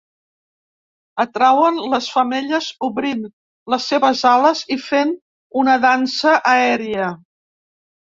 Atrauen les femelles obrint les seves ales i fent una dansa aèria.